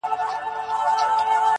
چي تا ویني همېشه به کښته ګوري٫